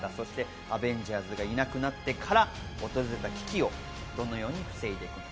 アベンジャーズがいなくなってから訪れた危機をどのように防いでいくのか。